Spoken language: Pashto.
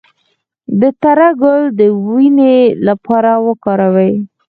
د تره ګل د وینې لپاره وکاروئ